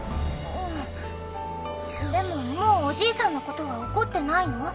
うんでももうおじいさんのことは怒ってないの？